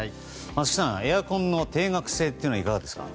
松木さん、エアコンの定額制というのはいかがですか？